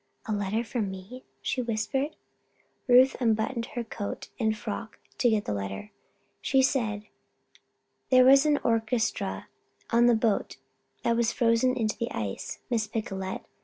"A letter for me?" she whispered. Ruth was unbuttoning her coat and frock to get at the letter. She said: "There was an orchestra on that boat that was frozen into the ice, Miss Picolet.